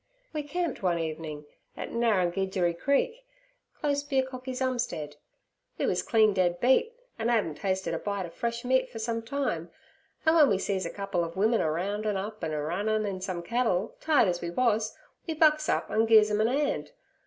'We camped one evening at Narrangidgery Creek, close b' a cocky's 'umstead. We was clean dead beat, an' 'adn't tasted a bite ov fresh meat fer some time, an' w'en we sees a cupple ov wimin a roundin' up and a runnin' in some cattle, tired as we was, we bucks up and gi'es 'em an nand.